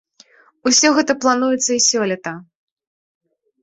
Усё гэта плануецца і сёлета.